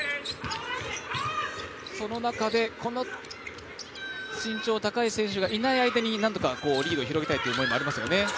その中で身長の高い選手がいない間に、なんとかリードを広げたいという思いもありますよね。